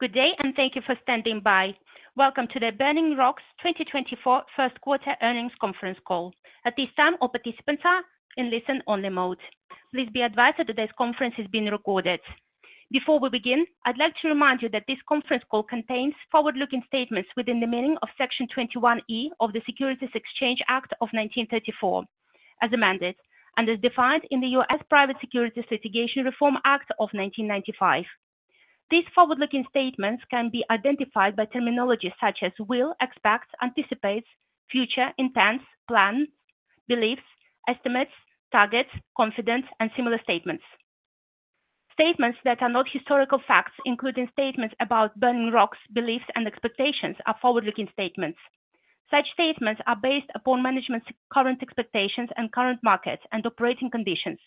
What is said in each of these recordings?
Good day, and thank you for standing by. Welcome to Burning Rock's 2024 first quarter Earnings Conference Call. At this time, all participants are in listen-only mode. Please be advised that today's conference is being recorded. Before we begin, I'd like to remind you that this conference call contains forward-looking statements within the meaning of Section 21E of the Securities Exchange Act of 1934, as amended, and as defined in the U.S. Private Securities Litigation Reform Act of 1995. These forward-looking statements can be identified by terminology such as will, expect, anticipates, future, intends, plan, beliefs, estimates, targets, confidence, and similar statements. Statements that are not historical facts, including statements about Burning Rock's beliefs and expectations, are forward-looking statements. Such statements are based upon management's current expectations and current markets and operating conditions,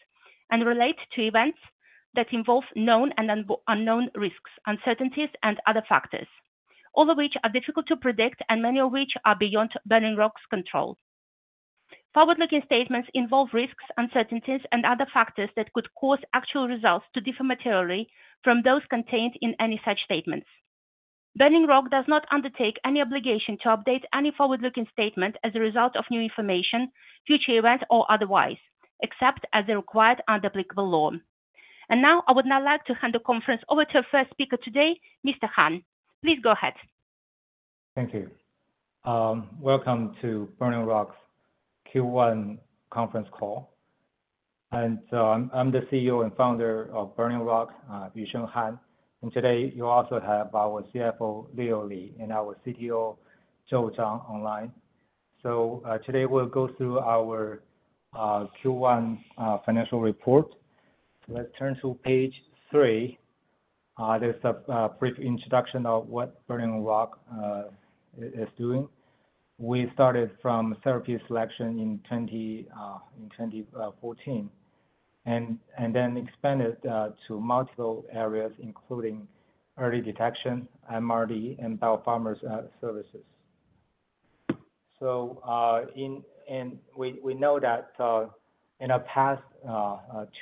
and relate to events that involve known and unknown risks, uncertainties, and other factors, all of which are difficult to predict and many of which are beyond Burning Rock's control. Forward-looking statements involve risks, uncertainties, and other factors that could cause actual results to differ materially from those contained in any such statements. Burning Rock does not undertake any obligation to update any forward-looking statement as a result of new information, future events, or otherwise, except as required under applicable law. Now, I would like to hand the conference over to our first speaker today, Mr. Han. Please go ahead. Thank you. Welcome to Burning Rock's Q1 conference call. I'm the CEO and founder of Burning Rock, Yusheng Han, and today you also have our CFO, Leo Li, and our CTO, Joe Zhang, online. Today we'll go through our Q1 financial report. Let's turn to page 3. There's a brief introduction of what Burning Rock is doing. We started from therapy selection in 2014, and then expanded to multiple areas, including early detection, MRD, and biopharma services. We know that in the past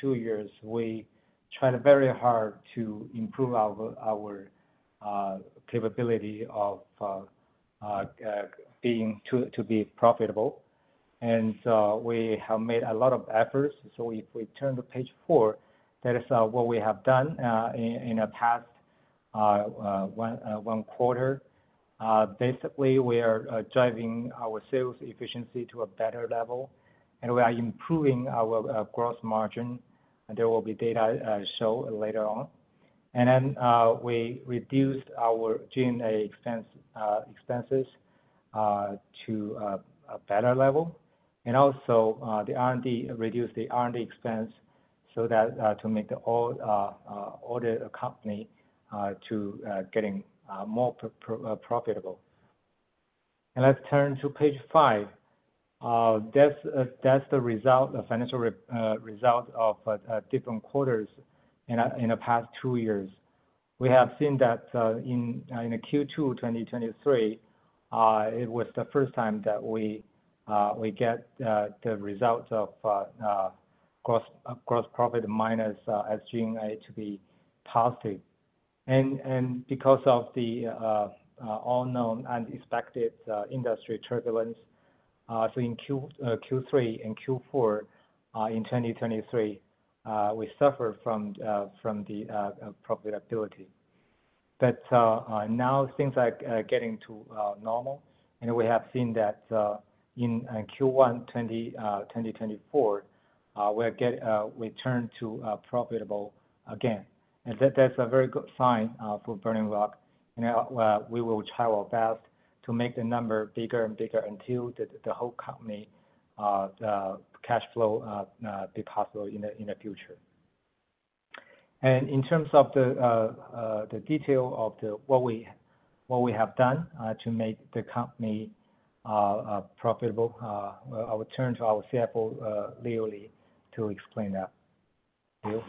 2 years, we tried very hard to improve our capability of being profitable. We have made a lot of efforts. So if we turn to page four, that is what we have done in the past one quarter. Basically, we are driving our sales efficiency to a better level, and we are improving our gross margin, and there will be data show later on. And then, we reduced our G&A expenses to a better level. And also, the R&D, reduced the R&D expense so that to make all the company to getting more profitable. And let's turn to page five. That's the financial result of different quarters in the past two years. We have seen that in Q2 2023 it was the first time that we get the results of gross profit minus G&A to be positive. Because of the unexpected industry turbulence, in Q3 and Q4 in 2023 we suffered from the profitability. But now things are getting to normal, and we have seen that in Q1 2024 we turn to profitable again. That's a very good sign for Burning Rock. And, we will try our best to make the number bigger and bigger until the whole company cash flow be positive in the future. And in terms of the detail of what we have done to make the company profitable, I will turn to our CFO, Leo Li, to explain that. Leo?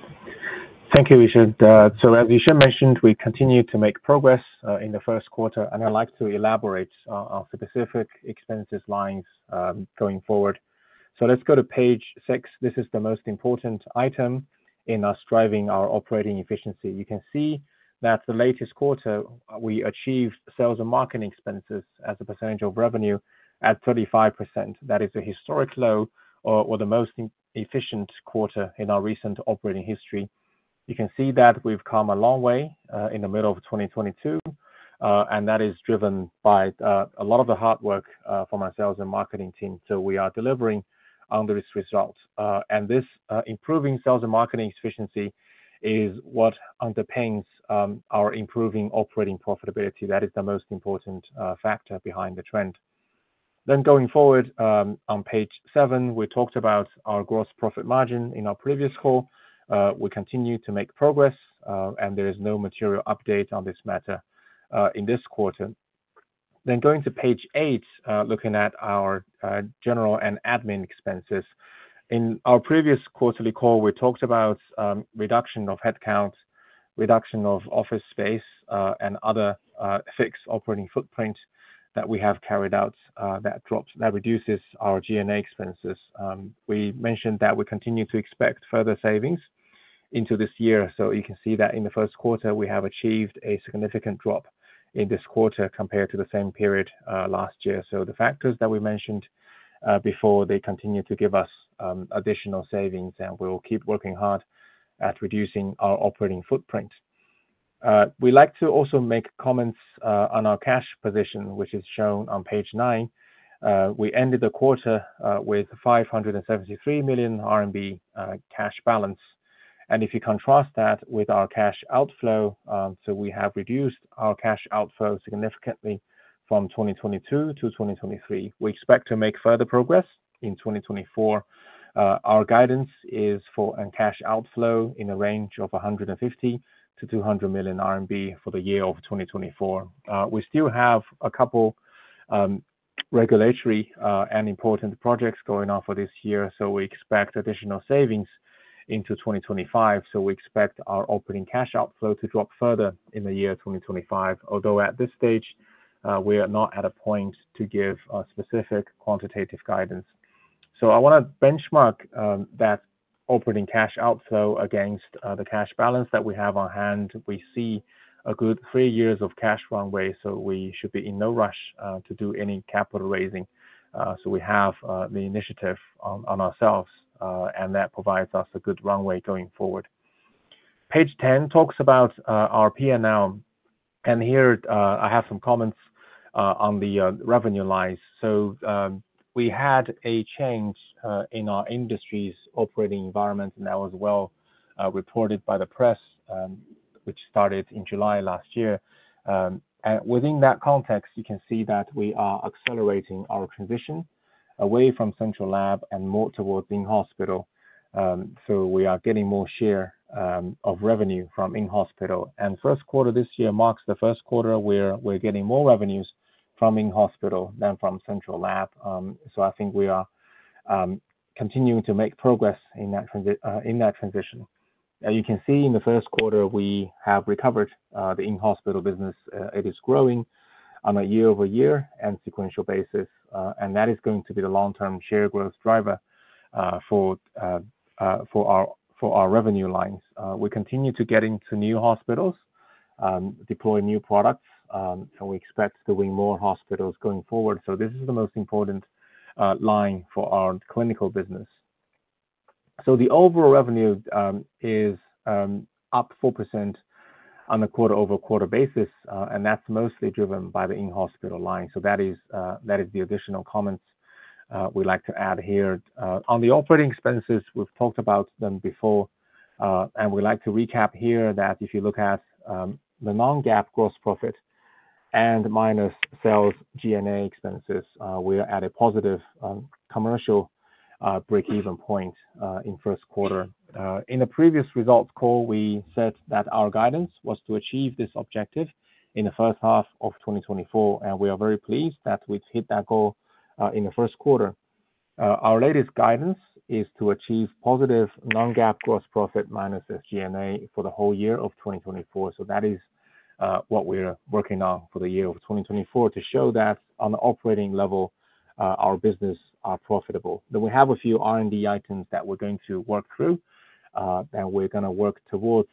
Thank you, Yusheng. So as Yusheng mentioned, we continue to make progress in the first quarter, and I'd like to elaborate on specific expenses lines going forward. So let's go to page 6. This is the most important item in us driving our operating efficiency. You can see that the latest quarter, we achieved sales and marketing expenses as a percentage of revenue at 35%. That is a historic low or the most efficient quarter in our recent operating history. You can see that we've come a long way in the middle of 2022, and that is driven by a lot of the hard work from our sales and marketing team. So we are delivering on these results. And this improving sales and marketing efficiency is what underpins our improving operating profitability. That is the most important factor behind the trend. Then going forward, on page seven, we talked about our gross profit margin in our previous call. We continue to make progress, and there is no material update on this matter in this quarter. Then going to page eight, looking at our general and admin expenses. In our previous quarterly call, we talked about reduction of headcount, reduction of office space, and other fixed operating footprint that we have carried out, that reduces our G&A expenses. We mentioned that we continue to expect further savings.... into this year. So you can see that in the first quarter, we have achieved a significant drop in this quarter compared to the same period, last year. So the factors that we mentioned before, they continue to give us additional savings, and we will keep working hard at reducing our operating footprint. We'd like to also make comments on our cash position, which is shown on page 9. We ended the quarter with 573 million RMB cash balance. And if you contrast that with our cash outflow, so we have reduced our cash outflow significantly from 2022 to 2023. We expect to make further progress in 2024. Our guidance is for a cash outflow in the range of 150 million-200 million RMB for the year of 2024. We still have a couple regulatory and important projects going on for this year, so we expect additional savings into 2025. So we expect our operating cash outflow to drop further in the year 2025. Although at this stage, we are not at a point to give a specific quantitative guidance. So I wanna benchmark that operating cash outflow against the cash balance that we have on hand. We see a good three years of cash runway, so we should be in no rush to do any capital raising. So we have the initiative on ourselves and that provides us a good runway going forward. Page ten talks about our P&L, and here I have some comments on the revenue lines. So, we had a change in our industry's operating environment, and that was well reported by the press, which started in July last year. And within that context, you can see that we are accelerating our transition away from central lab and more towards in-hospital. So we are getting more share of revenue from in-hospital. And first quarter this year marks the first quarter where we're getting more revenues from in-hospital than from central lab. So I think we are continuing to make progress in that transition. As you can see, in the first quarter, we have recovered the in-hospital business. It is growing on a year-over-year and sequential basis, and that is going to be the long-term share growth driver for our revenue lines. We continue to get into new hospitals, deploy new products, and we expect to win more hospitals going forward. So this is the most important line for our clinical business. So the overall revenue is up 4% on a quarter-over-quarter basis, and that's mostly driven by the in-hospital line. So that is the additional comments we'd like to add here. On the operating expenses, we've talked about them before, and we'd like to recap here that if you look at the non-GAAP gross profit minus SG&A expenses, we are at a positive commercial break-even point in first quarter. In a previous results call, we said that our guidance was to achieve this objective in the first half of 2024, and we are very pleased that we've hit that goal in the first quarter. Our latest guidance is to achieve positive non-GAAP gross profit minus SG&A for the whole year of 2024. So that is what we're working on for the year of 2024, to show that on the operating level, our business are profitable. Then we have a few R&D items that we're going to work through, and we're gonna work towards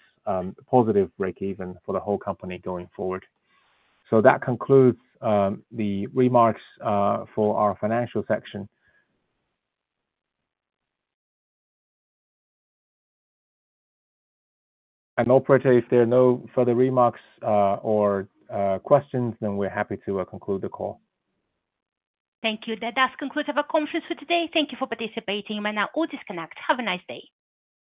positive break even for the whole company going forward. So that concludes the remarks for our financial section. And operator, if there are no further remarks, or questions, then we're happy to conclude the call. Thank you. That does conclude our conference for today. Thank you for participating. You may now all disconnect. Have a nice day.